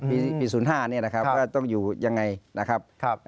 ปี๐๕เนี่ยนะครับว่าต้องอยู่ยังไงนะครับ